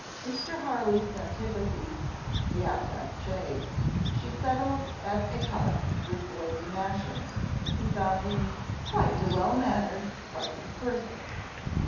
Mr. Harley's antipathy, the attaché, she settled at ecartê with Lady Masham, who found him "quite a well mannered, pleasant person."